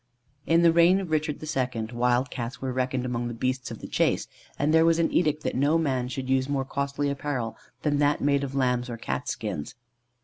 In the reign of Richard II. wild Cats were reckoned among the beasts of the chase, and there was an edict that no man should use more costly apparel than that made of lambs' or Cats' skins.